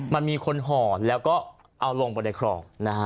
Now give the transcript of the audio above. มันมีคนห่อแล้วก็เอาลงไปในคลองนะฮะ